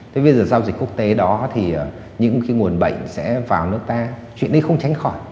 thế bây giờ giao dịch quốc tế đó thì những cái nguồn bệnh sẽ vào nước ta chuyện đi không tránh khỏi